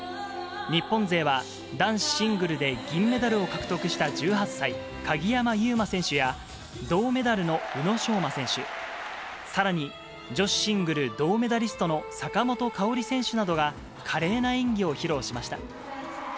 日本勢は、男子シングルで銀メダルを獲得した１８歳、鍵山優真選手や、銅メダルの宇野昌磨選手、さらに女子シングル銅メダリストの坂本花織選手などが華麗な演技を披露しました。